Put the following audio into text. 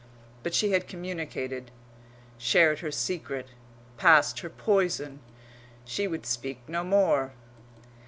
But she had communicated, shared her secret, passed her poison; she would speak no more.